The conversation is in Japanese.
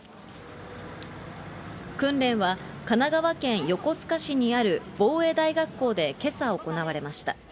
訓練は、神奈川県横須賀市にある防衛大学校でけさ行われました。